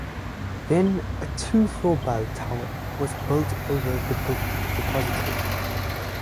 Then, a two-floor bell tower was built over the book depository.